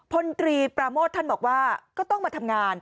พลตรีปราโมทท่านบอกว่าก็ต้องมาทำงาน